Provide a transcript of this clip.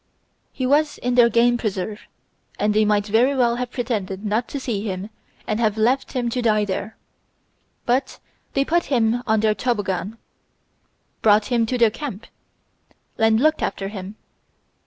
He was in their game preserve, and they might very well have pretended not to see him and have left him to die there; but they put him on their toboggan, brought him to their camp, and looked after him.